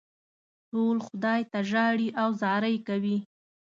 ټول خدای ته ژاړي او زارۍ کوي.